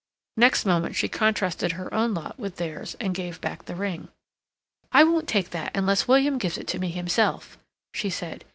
Next moment she contrasted her own lot with theirs and gave back the ring. "I won't take that unless William gives it me himself," she said.